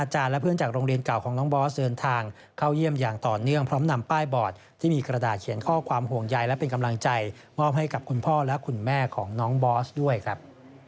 เชื่อมอย่างต่อเนื่องพร้อมนำป้ายบอร์ดที่มีกระดาษเขียนข้อความห่วงใยและเป็นกำลังใจมอบให้กับคุณพ่อและคุณแม่ของน้องบอสด้วยครับ